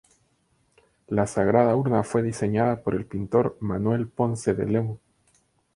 La sagrada urna fue diseñada por el pintor Manuel Ponce de León.